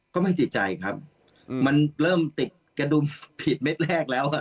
ก็ไม่ติดใจครับมันเริ่มติดกระดุมผิดเม็ดแรกแล้ว